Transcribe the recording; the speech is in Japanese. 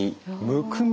むくみ。